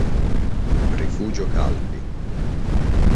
Rifugio Calvi